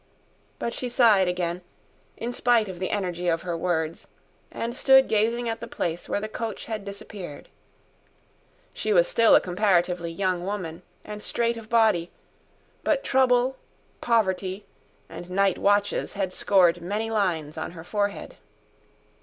But she sighed again, in spite of the energy of her words, and stood gazing at the place where the coach had disappeared. She was still a comparatively young woman, and straight of body; but trouble, poverty and night watches had scored many lines on her forehead.